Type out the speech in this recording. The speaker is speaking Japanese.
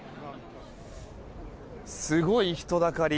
すごい人だかり。